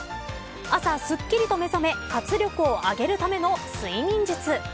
朝、すっきりと目覚め活力を上げるための睡眠術。